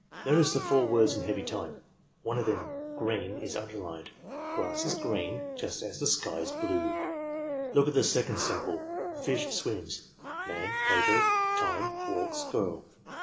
"Notice the four words in heavy type. One of them — green —^ is underlined. Grass is green just as the sky is blue. "Look at the second sample: Fish — swims :: man — paper, time, walks, girl.